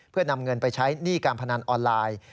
เพื่อนำเงินไปใช้หนี้การพนันออนไลน์